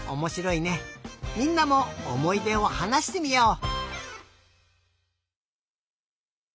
みんなもおもいでをはなしてみよう。